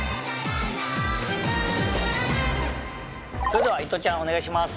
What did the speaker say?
それでは伊藤ちゃんお願いします。